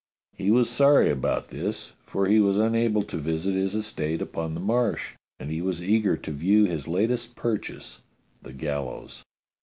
He was sorry about this, for he was unable to visit his estate upon the Marsh, and he was eager to view his latest purchase, the gallows.